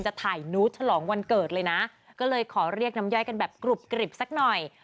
จะถ่ายนูตฉลองวันเกิดเลยนะก็เลยขอเรียกน้ำย่อยกันแบบกรุบกริบสักหน่อย